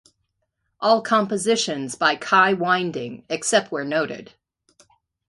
All compositions by Kai Winding except where noted